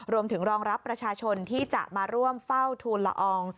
รองรับประชาชนที่จะมาร่วมเฝ้าทูลละออง